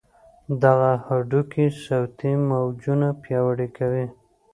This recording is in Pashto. دغه هډوکي صوتي موجونه پیاوړي کوي.